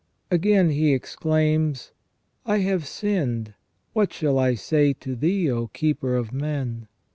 Again, he exclaims :" I have sinned, what shall I say to Thee, O Keeper of men